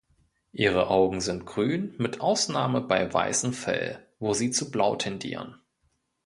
Ihre Augen sind grün, mit Ausnahme bei weißem Fell, wo sie zu blau tendieren.